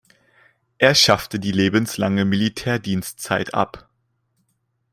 Er schaffte die lebenslange Militärdienstzeit ab.